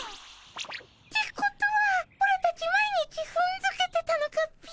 ってことはオラたち毎日ふんづけてたのかっピ？